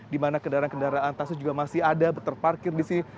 di mana kendaraan kendaraan taksi juga masih ada terparkir di sini